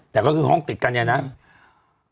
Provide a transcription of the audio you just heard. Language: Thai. แต่ก็คือห้องติดกันอย่างนั้น